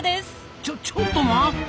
ちょちょっと待った！